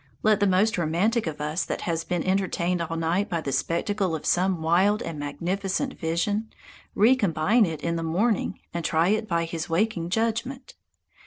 Let the most romantic of us that has been entertained all night with the spectacle of some wild and magnificent vision, re combine it in the morning and try it by his waking judgment.